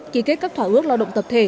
ký kết các thỏa ước lao động tập thể